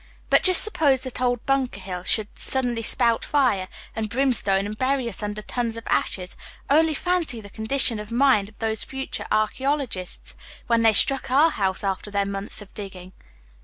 But just suppose that old Bunker Hill should suddenly spout fire and brimstone and bury us under tons of ashes only fancy the condition of mind of those future archaeologists when they struck our house after their months of digging!